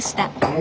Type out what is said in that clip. お！